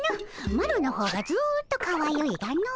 マロの方がずっとかわゆいがの。